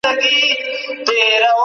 ژوند د ډېرو لپاره یوازې خوب دی.